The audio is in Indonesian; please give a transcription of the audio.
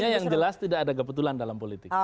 ya yang jelas tidak ada kebetulan dalam politik